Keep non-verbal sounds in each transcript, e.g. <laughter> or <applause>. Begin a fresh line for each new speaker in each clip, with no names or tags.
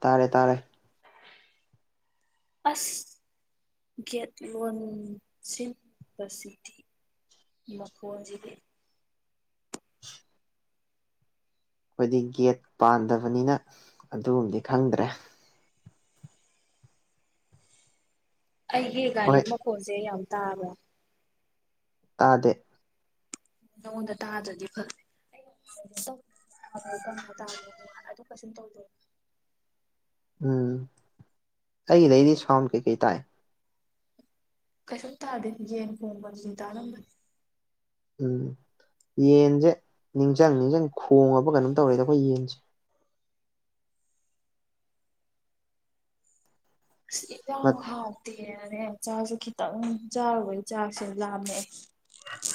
ꯇꯥꯔꯦ ꯇꯥꯔꯦ
ꯑꯁ ꯒꯦꯠ ꯂꯣꯟꯁꯤꯟꯕꯁꯤꯗꯤ ꯃꯈꯣꯟꯖꯤꯗꯤ
ꯑꯈꯣꯏꯗꯤ ꯒꯦꯠ ꯄꯥꯟꯗꯕꯅꯤꯅ ꯑꯗꯨꯃꯗꯤ ꯈꯪꯗ꯭ꯔꯦ
ꯑꯩꯒꯤ ꯒꯥꯔꯤ
ꯍꯣꯏ
ꯃꯈꯣꯟꯁꯦ ꯌꯥꯝ ꯇꯥꯕ꯭ꯔꯥ
ꯇꯥꯗꯦ
ꯅꯪꯉꯣꯟꯗ ꯇꯥꯗ꯭ꯔꯥꯗꯤ ꯐꯥꯔꯦ <unintelligible> ꯀꯟꯅ ꯇꯥꯕꯗꯣ ꯑꯗꯨ ꯀꯩꯁꯨꯝ ꯇꯧꯗꯦ
ꯎꯝ ꯑꯩꯒꯤꯗꯩꯗꯤ ꯁꯥꯎꯟ ꯀꯩꯀꯩ ꯇꯥꯏ
ꯀꯩꯁꯨꯨꯝ ꯇꯥꯗꯦ ꯌꯦꯟ ꯈꯣꯡꯕ ꯗꯨꯗꯤ ꯇꯥꯔꯝꯕꯅꯤ
ꯎꯝ ꯌꯦꯟꯖꯦ ꯅꯤꯡꯖꯪ ꯅꯤꯡꯖꯪ ꯈꯣꯡꯉꯕ ꯀꯩꯅꯣꯝ ꯇꯧꯔꯦꯗ ꯑꯈꯣꯏ ꯌꯦꯟꯁꯤ
ꯑꯁ ꯏꯟꯁꯥꯡ ꯍꯥꯎꯇꯦꯅꯥ ꯆꯥꯛꯁꯨ ꯈꯤꯇꯪ ꯆꯥꯔꯨꯕꯩ ꯆꯥꯛꯁꯨ ꯂꯥꯝꯃꯛꯑꯦ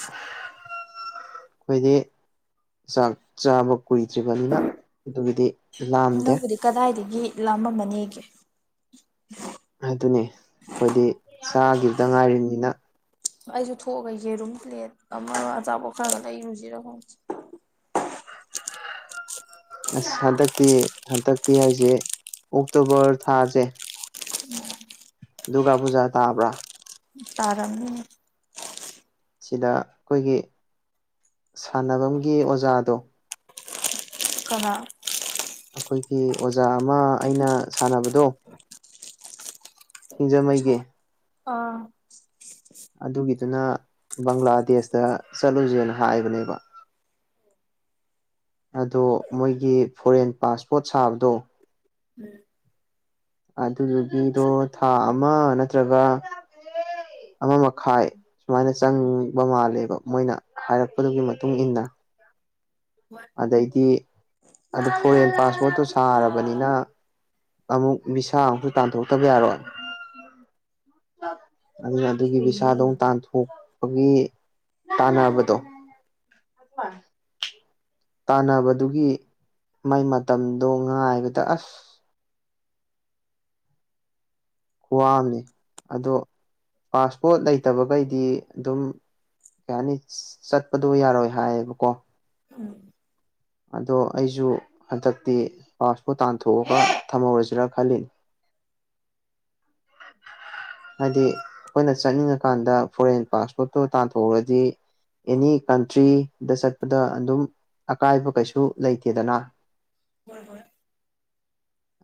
<unintelligible> ꯑꯈꯣꯏꯗꯤ ꯆꯥꯛ ꯆꯥꯕ ꯀꯨꯏꯗ꯭ꯔꯤꯕꯅꯤꯅ ꯑꯗꯨꯒꯤꯗꯤ ꯂꯥꯝꯗꯦ
ꯅꯪꯕꯨꯗꯤ ꯀꯗꯥꯏꯗꯒꯤ ꯂꯥꯝꯃꯝꯃꯅꯦꯒꯦ
ꯑꯗꯨꯅꯦ ꯑꯈꯣꯏꯗꯤ ꯆꯥꯒꯤꯕꯗ ꯉꯥꯏꯔꯤꯝꯅꯤꯅ
ꯑꯩꯁꯨ ꯊꯣꯛꯑꯒ ꯌꯦꯔꯨꯝ ꯄ꯭ꯂꯦꯠ ꯑꯃ ꯑꯆꯥꯄꯣꯠ ꯈꯔꯒ ꯂꯩꯔꯨꯖꯤꯔ ꯈꯪꯗꯦ
<unintelligible> ꯑꯁ <unintelligible> ꯍꯟꯗꯛꯇꯤ ꯍꯟꯗꯛꯇꯤ ꯑꯩꯁꯦ ꯑꯣꯛꯇꯣꯕꯔ ꯊꯥꯖꯦ
<unintelligible>
ꯗꯨꯔꯒꯥ ꯄꯨꯖꯥ ꯇꯥꯕ꯭ꯔꯥ
ꯇꯔꯝꯅꯤ
ꯁꯤꯗ ꯑꯈꯣꯏꯒꯤ ꯁꯥꯟꯅꯕꯝꯒꯤ ꯑꯣꯖꯥꯗꯣ
ꯀꯅꯥ
ꯑꯈꯣꯏꯒꯤ ꯑꯣꯖꯥ ꯑꯃ ꯑꯩꯅ ꯁꯥꯟꯅꯕꯗꯣ ꯁꯤꯡꯖꯃꯩꯒꯤ
<unintelligible> ꯑꯥ
ꯑꯗꯨꯒꯤꯗꯨꯅ ꯕꯪꯂꯥꯗꯦꯁꯇ ꯆꯠꯂꯨꯖꯦꯅ ꯍꯥꯏꯕꯅꯦꯕ ꯑꯗꯣ ꯃꯣꯏꯒꯤ ꯐꯣꯔꯦꯟ ꯄꯥꯁꯄꯣꯠ ꯁꯥꯕꯗꯣ ꯑꯗꯨꯗꯨꯒꯤꯗꯣ ꯊꯥ ꯑꯃ ꯅꯠꯇ꯭ꯔꯒ ꯑꯃ ꯃꯈꯥꯏ ꯁꯨꯃꯥꯏꯅ ꯆꯪꯕ ꯃꯥꯜꯂꯦꯕ ꯃꯣꯏꯅ ꯍꯥꯏꯔꯛꯄꯗꯨꯒꯤ ꯃꯇꯨꯡ ꯏꯟꯅ
<unintelligible>
ꯑꯗꯩꯗꯤ ꯑꯗ ꯐꯣꯔꯦꯟ ꯄꯥꯁꯄꯣꯔꯠꯇꯣ ꯁꯥꯔꯕꯅꯤꯅ ꯑꯃꯨꯛ ꯚꯤꯁꯥ ꯑꯃꯨꯛꯁꯨ ꯇꯥꯟꯊꯣꯛꯇꯕ ꯌꯥꯔꯣꯏ ꯑꯗꯨꯅ ꯑꯗꯨꯒꯤ ꯕꯤꯁꯥꯗꯣ ꯑꯃꯨꯛ ꯇꯥꯟꯊꯣꯛꯄꯒꯤ ꯇꯥꯅꯕꯗꯣ ꯇꯥꯟꯅꯕꯗꯨꯒꯤ ꯃꯥꯏ ꯃꯇꯝꯗꯣ ꯉꯥꯏꯕꯗ ꯑꯁ ꯈꯨꯋꯥꯑꯝꯅꯦ ꯑꯗꯣ ꯄꯥꯁꯄꯣꯠ ꯂꯩꯇꯕꯒꯩꯗꯤ ꯑꯗꯨꯝ ꯀꯩ ꯍꯥꯏꯅꯤ ꯆꯠꯄꯗꯣ ꯌꯥꯔꯣꯏ ꯍꯥꯏꯌꯦꯕꯀꯣ
ꯎꯝ
ꯑꯗꯣ ꯑꯩꯁꯨ ꯍꯟꯗꯛꯇꯤ ꯄꯥꯁꯄꯣꯠ ꯇꯥꯟꯊꯣꯛꯑꯒ ꯊꯝꯍꯧꯔꯁꯤꯔꯥ ꯈꯜꯂꯤꯅꯤ <unintelligible> ꯍꯥꯏꯗꯤ ꯑꯈꯣꯏꯅ ꯆꯠꯅꯤꯡꯉꯀꯥꯟꯗ ꯐꯣꯔꯦꯟ ꯄꯥꯁꯄꯣꯔꯠꯇꯣ ꯇꯥꯟꯊꯣꯛꯔꯗꯤ ꯑꯦꯅꯤ ꯀꯟꯇ꯭ꯔꯤꯗ ꯆꯠꯄꯗ ꯑꯗꯨꯝ ꯑꯀꯥꯏꯕ ꯀꯩꯁꯨ ꯂꯩꯇꯦꯗꯅ
ꯍꯣꯢ ꯍꯣꯢ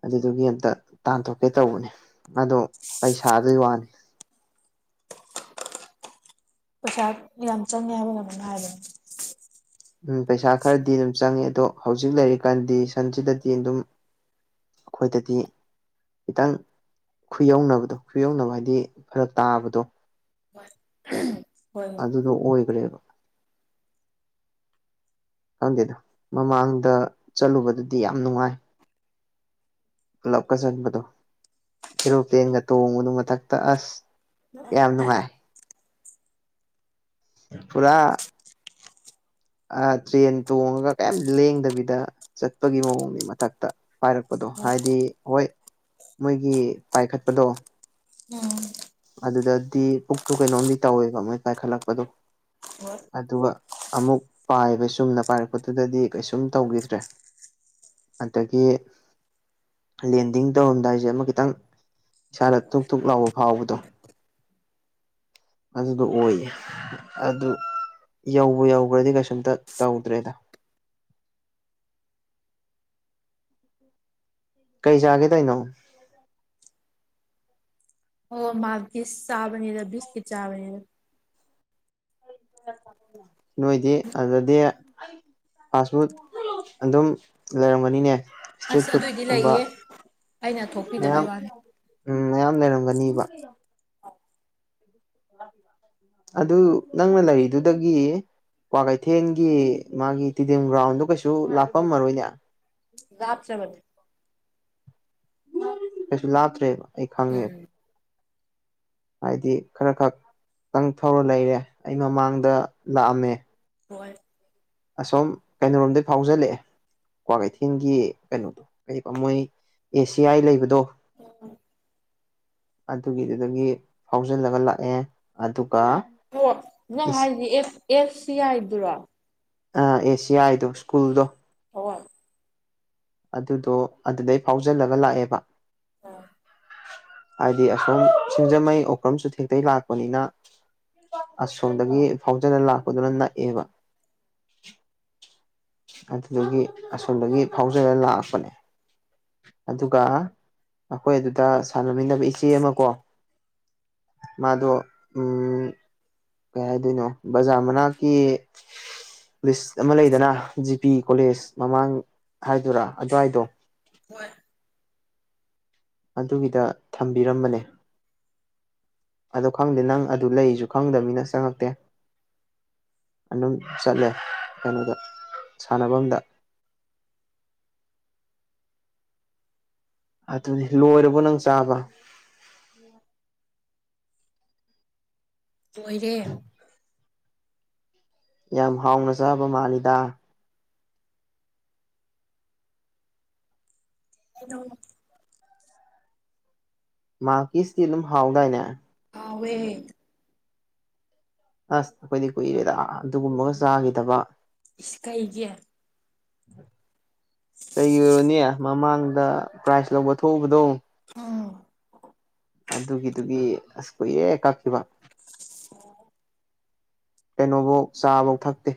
ꯑꯗꯨꯗꯨꯒꯤ ꯑꯝꯇ ꯇꯥꯟꯊꯣꯛꯀꯦ ꯇꯧꯕꯅꯦ ꯑꯗꯣ ꯄꯩꯁꯥꯗꯨꯢ ꯋꯥꯅꯦ
ꯄꯩꯁꯥ ꯌꯥꯝ ꯆꯪꯉꯦ ꯍꯥꯢꯕꯔ ꯀꯩꯅꯣꯝ ꯍꯥꯢꯕꯅꯦ
ꯎꯝ ꯄꯩꯁꯥ ꯈꯔꯗꯤ ꯑꯗꯨꯝ ꯆꯪꯉꯦ ꯑꯗꯣ ꯍꯧꯖꯤꯛ ꯂꯩꯔꯤꯕꯔꯤ ꯀꯟꯗꯤꯁꯟꯁꯤꯗꯗꯤ ꯑꯗꯨꯝ ꯑꯩꯈꯣꯢꯗꯗꯤ ꯈꯤꯇꯪ ꯈꯨꯌꯧꯅꯕꯗꯣ ꯈꯨꯌꯧꯅꯕ ꯍꯥꯢꯗꯤ ꯐꯔꯛ ꯇꯥꯕꯗꯣ
<unintelligible>
ꯑꯗꯨꯗꯣ ꯑꯣꯢꯒ꯭ꯔꯦꯕ ꯈꯪꯗꯦꯗ ꯃꯃꯥꯡꯗ ꯆꯠꯂꯨꯕꯗꯨꯗꯤ ꯌꯥꯝ ꯅꯨꯡꯉꯥꯢ ꯄꯨꯂꯞꯀ ꯆꯠꯄꯗꯣ ꯑꯦꯔꯣꯄ꯭ꯂꯦꯟꯒ ꯇꯣꯡꯕꯗꯨ ꯃꯊꯛꯇ ꯑꯁ ꯌꯥꯝ ꯅꯨꯡꯉꯥꯢ ꯄꯨꯔꯥ ꯑ ꯇ꯭ꯔꯦꯟ ꯇꯣꯡꯉꯒ ꯀꯩꯌꯥꯝ ꯂꯦꯡꯗꯕꯤꯗ ꯆꯠꯄꯒꯤ ꯃꯑꯣꯡꯅꯤ ꯃꯊꯛꯇ ꯄꯥꯢꯔꯛꯄꯗꯣ ꯍꯥꯢꯗꯤ ꯍꯣꯢ ꯃꯣꯢꯒꯤ ꯄꯥꯢꯈꯠꯄꯗꯣ
ꯎꯝ
ꯑꯗꯨꯗꯗꯤ ꯄꯨꯛꯇꯣ ꯀꯩꯅꯣꯝꯗꯤ ꯇꯧꯋꯦꯕ ꯃꯣꯢ ꯄꯥꯢꯈꯠꯂꯛꯄꯗꯣ ꯑꯗꯨꯒ ꯑꯃꯨꯛ ꯄꯥꯏꯕꯩ ꯆꯨꯝꯅ ꯄꯥꯢꯔꯛꯄꯗꯨꯗꯗꯤ ꯀꯩꯁꯨꯝ ꯇꯧꯒꯤꯗ꯭ꯔꯦ ꯑꯗꯒꯤ ꯂꯦꯟꯗꯤꯡ ꯇꯧꯔꯝꯗꯥꯖꯣ ꯑꯃ ꯈꯤꯇꯪ ꯏꯁꯥꯗ ꯇꯨꯛ ꯇꯨꯛ ꯂꯥꯎꯕ ꯐꯥꯎꯕꯗꯣ ꯑꯗꯨꯗꯣ ꯑꯣꯢꯌꯦ ꯑꯗꯨ ꯌꯧꯕꯨ ꯌꯧꯒ꯭ꯔꯗꯤ ꯀꯩꯁꯨꯝꯇ ꯇꯧꯗ꯭ꯔꯦꯗ ꯀꯩ ꯆꯥꯒꯦ ꯇꯧꯅꯣ
ꯑꯣ ꯃꯥꯜꯀꯤꯁ ꯆꯥꯕꯅꯤꯗ ꯕꯤꯁꯀꯤꯠ ꯆꯥꯕꯅꯤꯗ
ꯅꯣꯢꯗꯤ ꯑꯗꯗꯤ ꯐꯥꯁꯠ ꯐꯨꯗ ꯑꯗꯨꯝ ꯂꯩꯔꯝꯒꯅꯤꯅꯦ
ꯑꯁ
ꯏꯁꯇ꯭ꯔꯤꯠ
ꯑꯗꯨꯢꯗꯤ
ꯐꯨꯗꯀꯨꯝꯕ
ꯂꯩꯌꯦ ꯑꯩꯅ
ꯃꯌꯥꯝ
ꯊꯣꯛꯄꯤꯗꯕꯩ ꯋꯥꯅꯦ
ꯎꯝ ꯃꯌꯥꯝ ꯂꯩꯔꯝꯒꯅꯤꯕ ꯑꯗꯨ ꯅꯪꯅ ꯂꯩꯔꯤꯗꯨꯗꯒꯤ ꯀ꯭ꯋꯥꯀꯩꯊꯦꯟꯒꯤ ꯃꯥꯒꯤ ꯇꯤꯗꯤꯝ ꯒ꯭ꯔꯥꯎꯟꯗꯣ ꯀꯩꯁꯨ ꯂꯥꯛꯄꯝꯃꯔꯣꯢꯅꯦ
ꯂꯥꯞꯇ꯭ꯔꯥꯕꯅꯦ
ꯀꯩꯁꯨ ꯂꯥꯇ꯭ꯔꯦꯕ ꯑꯩ ꯈꯪꯉꯦ
ꯎꯝ
ꯍꯥꯢꯗꯤ ꯈꯔ ꯈꯛꯇꯪ ꯊꯧꯔ ꯂꯩꯔꯦ ꯑꯩ ꯃꯃꯥꯡꯗ ꯂꯥꯛꯑꯝꯃꯦ
ꯍꯣꯢ
ꯑꯁꯣꯝ ꯀꯩꯅꯣꯔꯣꯝꯗꯒꯦ ꯐꯥꯎꯖꯜꯂꯛꯑꯦ ꯀ꯭ꯋꯥꯀꯩꯊꯦꯜꯒꯤ ꯀꯩꯅꯣꯗꯣ ꯀꯔꯤꯕ ꯃꯣꯢ ꯑꯦꯁꯤꯌꯥꯥꯢ ꯂꯩꯕꯗꯣ
<inaudible>
ꯑꯗꯨꯒꯤꯗꯨꯗꯒꯤ ꯐꯥꯎꯖꯤꯜꯂꯒ ꯂꯥꯛꯑꯦ ꯑꯗꯨꯒ
ꯑꯣ ꯅꯪ ꯍꯥꯢꯁ ꯑꯦꯐ ꯑꯦꯐ ꯁꯤ ꯌꯥꯢꯗꯨꯔꯣ
ꯑ ꯑꯦ ꯁꯤ ꯑꯥꯢꯗꯣ ꯁ꯭ꯀꯨꯜꯗꯣ
ꯑꯣ
ꯑꯗꯨꯗꯣ ꯑꯗꯨꯗꯩ ꯐꯥꯎꯖꯤꯜꯂꯒ ꯂꯥꯛꯑꯦꯕ
ꯑꯥ
ꯍꯥꯢꯗꯤ ꯑꯁꯣꯝ ꯁꯤꯡꯖꯃꯩ ꯑꯣꯀ꯭ꯔꯝ ꯆꯨꯊꯦꯛꯇꯩ ꯂꯥꯛꯄꯅꯤꯅ ꯑꯁꯣꯝꯗꯒꯤ ꯐꯥꯎꯖꯜꯂ ꯂꯥꯛꯄꯗꯨꯅ ꯅꯛꯑꯦꯕ ꯑꯗꯨꯗꯒꯤ ꯑꯁꯣꯝꯗꯒꯤ ꯐꯥꯎꯖꯔ ꯂꯥꯛꯄꯅꯦ ꯑꯗꯨꯒ ꯑꯈꯣꯏ ꯑꯗꯨꯗ ꯁꯥꯟꯅꯃꯤꯟꯅꯕ ꯏꯆꯦ ꯑꯃ ꯀꯣ ꯃꯥꯗ ꯎꯨꯝ ꯀꯩ ꯍꯥꯏꯗꯣꯏꯅꯣ ꯕꯖꯥꯔ ꯃꯅꯥꯛꯀꯤ ꯂꯤꯁ ꯑꯃ ꯂꯩꯗꯅ ꯖꯤ ꯄꯤ ꯀꯣꯂꯦꯖ ꯃꯃꯥꯡ ꯍꯥꯏꯗꯣꯔꯥ ꯑꯗꯨꯋꯥꯏꯗꯣ
ꯋꯦ
ꯑꯗꯨꯒꯤꯗ ꯊꯝꯕꯤꯔꯝꯕꯅꯦ ꯑꯗꯣ ꯈꯪꯗꯦ ꯅꯪ ꯑꯗꯨ ꯂꯩꯁꯨ ꯈꯪꯗꯕꯅꯤꯅ ꯆꯪꯉꯛꯇꯦ ꯑꯗꯨꯝ ꯆꯠꯂꯦ ꯀꯩꯅꯣꯗ ꯁꯥꯟꯅꯕꯝꯗ ꯑꯗꯨꯅꯤ ꯂꯣꯏꯔꯕꯣ ꯅꯪ ꯆꯥꯕ
<inaudible> ꯂꯣꯏꯔꯦ
ꯌꯥꯝ ꯍꯥꯎꯅ ꯆꯥꯕ ꯃꯥꯜꯂꯤꯗ
<unintelligible>
ꯃꯥꯀꯤꯁꯀꯤ ꯗꯨꯝ ꯍꯥꯎꯗꯏꯅꯦ
ꯍꯥꯎꯋꯦ
ꯑꯁ ꯑꯈꯣꯏꯗꯤ ꯀꯨꯏꯔꯦꯗ ꯑꯗꯨꯒꯨꯝꯕꯒ ꯆꯥꯒꯤꯗꯕ
ꯏꯁ ꯀꯩꯒꯤ
ꯀꯩꯒꯤ ꯑꯣꯏꯔꯨꯅꯤ ꯃꯃꯥꯡꯗ ꯄ꯭ꯔꯥꯏꯖ ꯂꯧꯕ ꯊꯣꯛꯎꯕꯗꯣ
ꯎꯝ
ꯑꯗꯨꯒꯤꯗꯨꯒꯤ ꯑꯁ ꯀꯨꯏꯔꯦ ꯀꯛꯈꯤꯕꯥ
<inaudible>
ꯀꯩꯅꯣꯕꯧ ꯆꯥꯕꯧ ꯊꯛꯇꯦ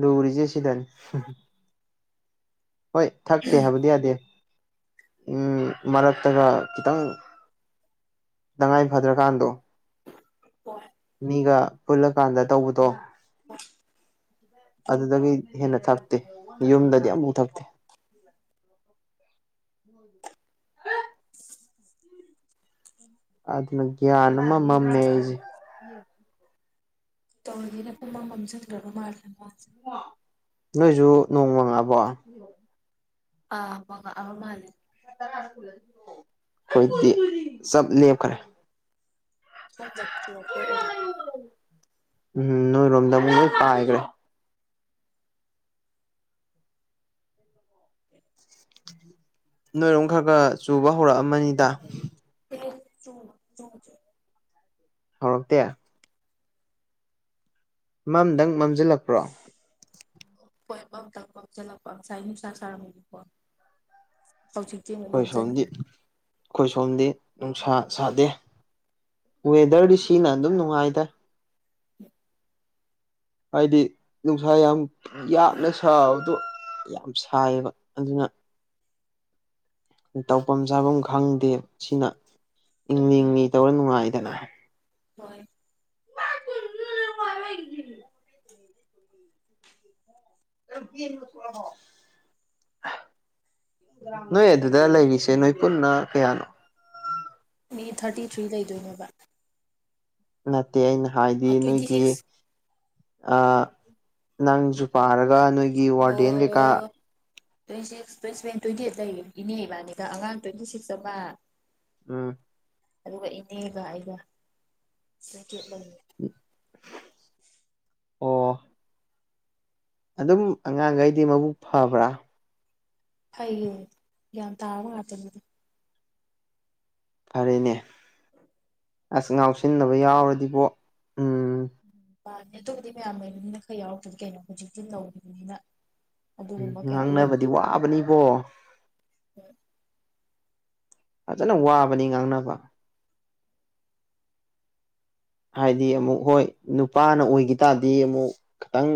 ꯂꯔꯤꯁꯦ ꯁꯤꯗꯅꯤ ꯍꯣꯏ ꯊꯛꯇꯦ ꯍꯥꯏꯕꯗꯤ ꯌꯥꯗꯦ ꯎꯝ ꯃꯔꯛꯇꯒ ꯈꯤꯇꯪ ꯇꯉꯥꯏ ꯐꯗ꯭ꯔꯀꯥꯟꯗꯣ
ꯍꯣꯏ
ꯃꯤꯒ ꯄꯨꯜꯂꯀꯥꯟꯗ ꯇꯧꯕꯗꯣ
ꯍꯣꯏ
ꯑꯗꯨꯗꯒꯤ ꯍꯦꯟꯅ ꯊꯛꯇꯦ ꯌꯨꯝꯗꯗꯤ ꯑꯃꯕꯨꯛ ꯊꯛꯇꯦ <inaudible> <inaudible>
<inaudible>
ꯑꯗꯨꯅ ꯒ꯭ꯌꯥꯟ ꯑꯃ ꯃꯝꯃꯦ ꯑꯩꯁꯦ
ꯇꯧꯔꯤꯉꯩꯗ ꯄꯨꯡꯃꯝ ꯃꯝꯁꯤꯟꯈ꯭ꯔꯕ ꯃꯥꯜꯂ ꯃ <unintelligible>
ꯅꯣꯏꯁꯨ ꯅꯣꯡ ꯃꯪꯉꯕꯣ
ꯑꯥ ꯃꯪꯉꯛꯑꯕ ꯃꯥꯜꯂꯦ
ꯈꯣꯏꯗꯤ ꯆꯞ ꯂꯦꯞꯈ꯭ꯔꯦ
<unintelligible>
ꯎꯝ ꯅꯣꯏꯔꯣꯝꯗ ꯑꯃꯨꯛ ꯂꯣꯏ ꯄꯥꯏꯒ꯭ꯔꯦ ꯅꯣꯏꯔꯣꯝ ꯈꯔ ꯈꯔ ꯆꯨꯕ ꯍꯧꯔꯛꯑꯃꯅꯤꯗ
<unintelligible> ꯆꯨ ꯆꯨꯗꯦ
ꯍꯧꯔꯛꯇꯦ ꯃꯝꯗꯪ ꯃꯝꯖꯤꯜꯂꯛꯄ꯭ꯔꯣ
ꯍꯣꯏ ꯃꯝꯇꯪ ꯃꯝꯖꯤꯜꯂꯛꯄ ꯉꯁꯥꯏ ꯅꯨꯁꯥ ꯁꯥꯔꯝꯃꯦꯕꯀꯣ ꯍꯧꯖꯤꯛ
ꯑꯈꯣꯏ ꯁꯣꯝꯗꯤ ꯑꯩꯈꯣꯏ ꯁꯣꯝꯗꯤ ꯅꯨꯡꯁꯥ ꯁꯥꯗꯦ ꯋꯦꯗꯔꯗꯤ ꯁꯤꯅ ꯑꯗꯨꯝ ꯅꯨꯡꯉꯥꯏꯗ ꯍꯥꯏꯗꯤ ꯅꯨꯡꯁꯥ ꯌꯥꯝ ꯌꯥꯛꯅ ꯁꯥꯕꯗꯣ ꯌꯥꯝ ꯁꯥꯏꯌꯦꯕ ꯑꯗꯨꯅ ꯇꯧꯕꯝ ꯆꯥꯕꯝ ꯈꯪꯗꯦ ꯁꯤꯅ ꯏꯪꯂꯤ ꯏꯪꯂꯤ ꯇꯧꯔ ꯅꯨꯡꯉꯥꯏꯗꯅ
ꯍꯣꯏ
<unintelligible> ꯅꯣꯏ ꯑꯗꯨꯗ ꯂꯩꯔꯤꯁꯦ ꯅꯣꯏ ꯄꯨꯟꯅ ꯀꯌꯥꯅꯣ
ꯃꯤ ꯊꯥꯔꯇꯤ ꯊ꯭ꯔꯤ ꯂꯩꯗꯣꯏꯅꯦꯕ
ꯅꯠꯇꯦ ꯑꯩꯅ ꯍꯥꯏꯗꯤ
ꯇ꯭ꯋꯦꯟꯇꯤ
ꯅꯣꯏꯒꯤ
ꯁꯤꯛꯁ
ꯑꯥ ꯅꯪꯁꯨ ꯄꯥꯔꯒ ꯅꯣꯏ
ꯑꯣ <unintelligible> twenty six twenty seven twenty eight ꯂꯩꯌꯦ ꯏꯅꯦ ꯏꯕꯥꯅꯤꯒ ꯑꯉꯥꯡ ꯇ꯭ꯋꯦꯟꯇꯤ ꯁꯤꯛꯁ ꯑꯃꯥ
ꯎꯝ
ꯑꯗꯨꯒ ꯏꯅꯦꯒ ꯑꯩꯒ ꯇ꯭ꯋꯦꯟꯇꯤ ꯑꯩꯠ ꯂꯩꯌ‌ꯦ
ꯑꯣ ꯑꯗꯨꯝ ꯑꯉꯥꯡꯒꯩꯗꯤ ꯃꯕꯨꯛ ꯐꯕ꯭ꯔꯥ
ꯐꯩꯌꯦ ꯒ꯭ꯌꯥꯟ ꯇꯥꯔꯕ ꯉꯥꯛꯇꯅꯤꯗ
ꯐꯔꯦꯅꯦ ꯑꯁ ꯉꯥꯎꯁꯤꯟꯅꯕ ꯌꯥꯎꯔꯗꯤꯕꯣ ꯎꯝ
ꯃꯥꯟꯅꯦ ꯑꯗꯨꯕꯨꯗꯤ ꯃꯌꯥꯝ ꯂꯩꯕꯅꯤꯅ ꯈꯔ ꯌꯥꯎꯔꯛꯇꯗꯤ ꯀꯩꯅꯣ ꯍꯧꯖꯤꯛꯇꯤ ꯅꯧꯔꯤꯕꯅꯤꯅ ꯑꯗꯨꯒꯨꯝꯕ ꯀꯌꯥ
ꯉꯥꯡꯅꯕꯗꯤ ꯋꯥꯕꯅꯤꯕꯣ
ꯎꯝ <unintelligible>
ꯐꯖꯅ ꯋꯥꯕꯅꯤ ꯉꯥꯡꯅꯕ ꯍꯥꯏꯗꯤ ꯑꯃꯨꯛ ꯍꯣꯏ ꯅꯨꯄꯥꯅ ꯑꯣꯏꯒꯤ ꯇꯥꯔꯗꯤ ꯑꯃꯨꯛ ꯈꯤꯇꯪ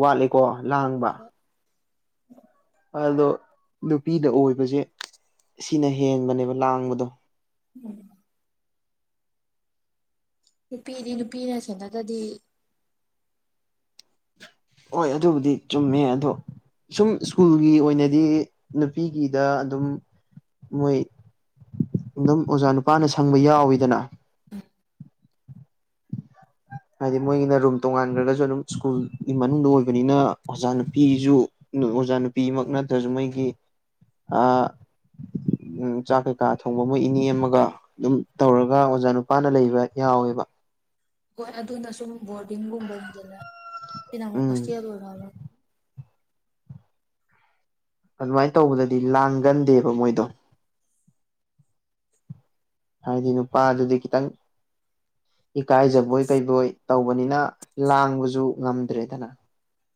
ꯋꯥꯠꯂꯤꯀꯣ ꯂꯥꯡꯕ
<inaudible>
ꯑꯗꯣ ꯅꯨꯄꯤꯗ ꯑꯣꯏꯕꯖꯦ ꯁꯤꯅ ꯍꯦꯟꯕꯅꯦꯕ ꯂꯥꯡꯕꯗꯣ
ꯎꯝ ꯅꯨꯄꯤꯗꯤ ꯅꯨꯄꯤꯅ ꯁꯦꯟꯅꯗ꯭ꯔꯗꯤ
ꯍꯣꯏ ꯑꯗꯨꯕꯨꯗꯤ ꯆꯨꯝꯃꯦ ꯑꯗꯣ ꯁꯨꯝ ꯏꯁ꯭ꯀꯨꯜꯒꯤ ꯑꯣꯏꯅꯗꯤ ꯅꯨꯄꯤꯒꯤꯗ ꯑꯗꯨꯝ ꯃꯣꯏ ꯑꯗꯨꯝ ꯑꯣꯖꯥ ꯅꯨꯄꯥꯅ ꯁꯪꯕ ꯌꯥꯎꯋꯤꯗꯅ
ꯎꯝ
<unintelligible> ꯍꯥꯏꯗꯤ ꯃꯣꯏꯒꯤꯅ ꯔꯨꯝ ꯇꯣꯡꯉꯥꯟꯒ꯭ꯔꯒꯁꯨ ꯑꯗꯨꯝ ꯏꯁ꯭ꯀꯨꯜꯒꯤ ꯃꯅꯨꯡꯗ ꯑꯣꯏꯕꯅꯤꯅ ꯑꯣꯖꯥ ꯅꯨꯄꯤꯒꯤꯖꯨ ꯅꯨ ꯑꯣꯖꯥ ꯅꯨꯄꯤꯃꯛ ꯅꯠꯇ꯭ꯔꯁꯨ ꯃꯣꯏꯒꯤ ꯑꯥ ꯎꯝ ꯆꯥꯛ ꯀꯩꯀꯥ ꯊꯣꯡꯕ ꯃꯣꯏ ꯏꯅꯦ ꯑꯃꯒꯥ ꯑꯗꯨꯝ ꯇꯧꯔꯒ ꯑꯣꯖꯥ ꯅꯨꯄꯥꯅ ꯂꯩꯕ ꯌꯥꯎꯋꯦꯕ
ꯍꯣꯏ ꯑꯗꯨꯅ ꯁꯨꯝ ꯕꯣꯔꯗꯤꯡꯒꯨꯝꯕꯅꯤꯗꯅ ꯁꯤꯅ ꯑꯃꯨꯛ
ꯎꯝ
ꯍꯣꯁꯇꯦꯜ ꯑꯣꯏꯔ <unintelligible>
ꯑꯗꯨꯃꯥꯏꯅ ꯇꯧꯕꯗꯗꯤ ꯂꯥꯡꯒꯟꯗꯦꯕ ꯃꯣꯏꯗꯣ ꯍꯥꯏꯗꯤ ꯅꯨꯄꯥꯗꯨꯗꯤ ꯈꯤꯇꯪ ꯏꯀꯥꯏꯖꯕꯣꯏ ꯀꯩꯕꯣꯏ ꯇꯧꯕꯅꯤꯅ ꯂꯥꯡꯕꯖꯨ ꯉꯝꯗ꯭ꯔꯦꯗꯅꯥ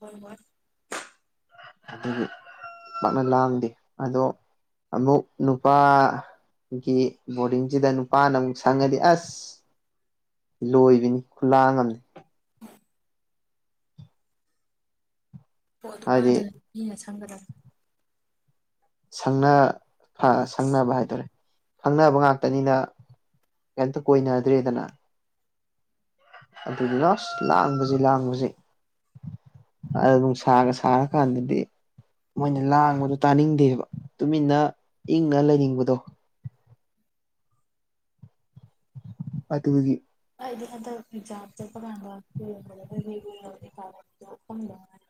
ꯍꯣꯏ ꯍꯣꯏ
ꯑꯗꯨꯒꯤ ꯄꯥꯛꯅ ꯂꯥꯡꯗꯦ ꯑꯗꯣ ꯑꯃꯨꯛ ꯅꯨꯄꯥ ꯒꯤ ꯕꯣꯔꯗꯤꯡꯖꯤꯗ ꯅꯨꯄꯥꯅ ꯑꯃꯨꯛ ꯁꯪꯉꯗꯤ ꯑꯁ ꯂꯣꯏꯕꯤꯅꯤ ꯈꯨꯂꯥꯡ ꯑꯃꯅꯤ
ꯍꯣ
ꯍꯥꯏꯗꯤ
ꯅꯨꯄꯥꯗꯅ ꯅꯨꯄꯤꯅ ꯁꯪꯒꯗꯕꯅꯤ
ꯁꯪꯅ ꯑꯥ ꯁꯪꯅꯕ ꯍꯥꯏꯗꯣꯔꯦ ꯈꯪꯅꯕ ꯉꯥꯛꯇꯅꯤꯅ ꯀꯩꯝꯇꯥ ꯀꯣꯏꯅꯗ꯭ꯔꯦꯗꯅ ꯑꯗꯨꯗꯨꯅ ꯑꯁ ꯂꯥꯡꯕꯁꯤ ꯂꯥꯡꯕꯁꯤ ꯑꯥ ꯅꯨꯡꯁꯥꯒ ꯁꯥꯔꯀꯥꯟꯗꯗꯤ ꯃꯣꯏꯅ ꯂꯥꯡꯕꯗꯨ ꯇꯥꯅꯤꯡꯗꯦꯕ ꯇꯨꯃꯤꯟꯅ ꯏꯪꯅ ꯂꯩꯅꯤꯡꯕꯗꯣ ꯑꯗꯨꯒꯤ
ꯑꯩꯗꯤ ꯍꯟꯗꯛ ꯑꯦꯛꯖꯥꯝ ꯆꯠꯄ ꯀꯥꯟꯗ <inaudible>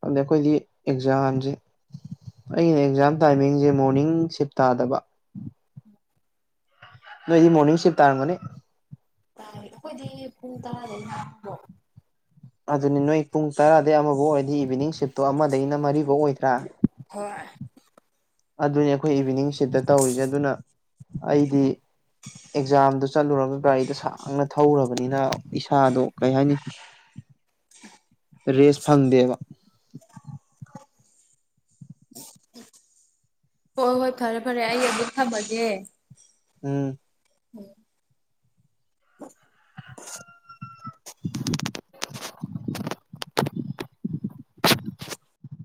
ꯈꯪꯗꯦ ꯑꯈꯣꯏꯗꯤ ꯑꯦꯛꯖꯥꯝꯖꯦ ꯑꯩꯅ ꯑꯦꯛꯖꯥꯝ ꯇꯥꯏꯃꯤꯡꯁꯦ ꯃꯣꯔꯅꯤꯡ ꯁꯤꯞ ꯇꯥꯗꯕ
<unintelligible>
ꯅꯣꯏꯗꯤ ꯃꯣꯔꯅꯤꯡ ꯁꯤꯞ ꯇꯥꯔꯝꯒꯅꯤ
ꯇꯥꯏ ꯑꯈꯣꯏꯗꯤ ꯄꯨꯡ ꯇꯔꯥꯗꯩꯅ ꯑꯃꯕꯨꯛ
ꯑꯗꯨꯅꯤ ꯅꯣꯏ ꯄꯨꯡ ꯇꯔꯥꯗꯩ ꯑꯃꯕꯨꯛ ꯑꯣꯏꯔꯗꯤ ꯏꯚꯤꯅꯤꯡ ꯁꯤꯞꯇꯣ ꯑꯃꯗꯩ ꯃꯔꯤꯕꯨꯛ ꯑꯣꯏꯗ꯭ꯔꯥ
ꯍꯣꯏ
ꯑꯗꯨꯅꯦ ꯑꯈꯣꯏ ꯏꯚꯤꯅꯤꯡ ꯁꯤꯞꯇ ꯇꯧꯔꯤꯁꯦ ꯑꯗꯨꯅ ꯑꯩꯗꯤ ꯑꯦꯛꯖꯥꯝꯗꯨ ꯆꯠꯂꯨꯔꯒ ꯒꯥꯔꯤꯗꯣ ꯁꯥꯡꯅ ꯊꯧꯔꯨꯔꯕꯅꯤꯅ ꯏꯁꯥꯗꯣ ꯀꯩ ꯍꯥꯏꯅꯤ ꯔꯦꯁ ꯐꯪꯗꯦꯕ
ꯍꯣꯏ ꯍꯣꯏ ꯐꯔꯦ ꯐꯔꯦ ꯑꯩ ꯑꯃꯨꯛ ꯊꯝꯃꯒꯦ
ꯎꯝ
<unintelligible>
<inaudible>